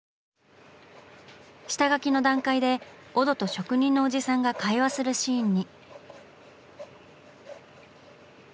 下描きの段階でオドと職人のおじさんが会話するシーンに。